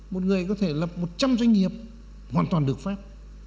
một người có thể lập một trăm linh doanh nghiệp hoàn toàn được phép